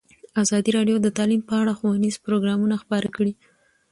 ازادي راډیو د تعلیم په اړه ښوونیز پروګرامونه خپاره کړي.